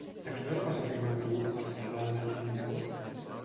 A quina hora passa el primer autobús per Sarral el cinc d'agost?